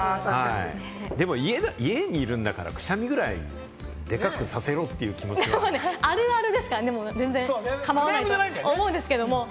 でも、家にいるんだから、くしゃみぐらいデカくさせろって気持ちあるあるですからね、構わないと思うんですけれども。